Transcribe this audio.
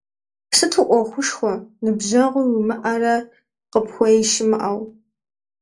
Сыту ӏуэхушхуэ, ныбжьэгъуи уимыӀэрэ къыпхуеи щымыӀэу?